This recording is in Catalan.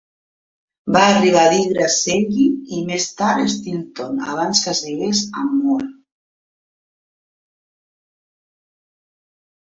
Va arribar a dir Grasselli, i més tard Steelton, abans que es digués Anmoore.